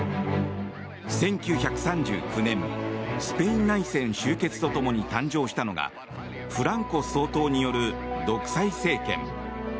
１９３９年、スペイン内戦終結と共に誕生したのがフランコ総統による独裁政権。